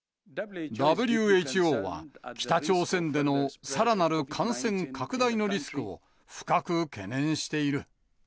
ＷＨＯは北朝鮮でのさらなる感染拡大のリスクを深く懸念している。